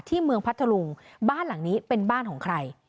เมืองพัทธรุงบ้านหลังนี้เป็นบ้านของใคร